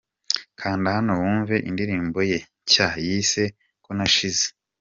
Kanda hano wumve indirimbo ye nshya yise 'Ko nashize'.